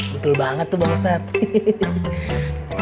betul banget tuh bang safi